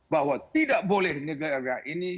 bahwa tidak boleh negara ini